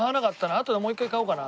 あとでもう一回買おうかな。